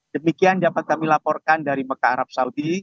demikian dapat kami laporkan dari mekah arab saudi